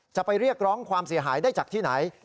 จะไปเรียกร้องความเสียหายได้จากที่ไหน